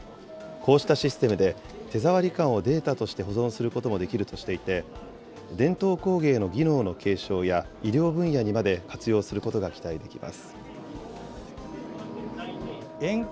こうしたシステムで、手触り感をデータとして保存することもできるとしていて、伝統工芸の技能の継承や医療分野にまで活用することが期待できます。